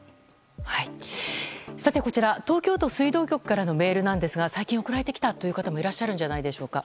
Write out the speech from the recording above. こちら、東京都水道局からのメールなんですが最近送られてきたという方もいらっしゃるんじゃないでしょうか。